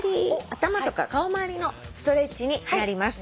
頭とか顔回りのストレッチになります。